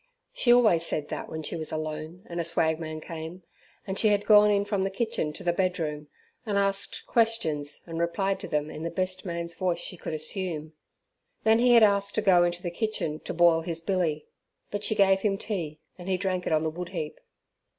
She always said that when she was alone, and a swagman came, and she had gone in from the kitchen to the bedroom, and asked questions and replied to them in the best man's voice she could assume Then he had asked to go into the kitchen to boil his billy, but she gave him tea, and he drank it on the wood heap.